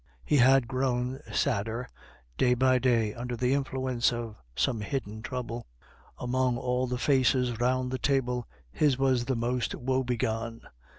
He had grown sadder day by day under the influence of some hidden trouble; among all the faces round the table, his was the most woe begone.